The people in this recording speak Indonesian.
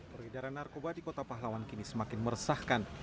peredaran narkoba di kota pahlawan kini semakin meresahkan